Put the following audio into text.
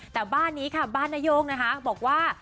แต่บ้านนี้ค่ะบ้านนโย่งนะคะบอกว่า